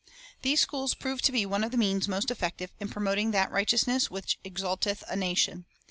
These schools proved to be one of the means most effective in promoting that righteousness which "ex alteth a nation."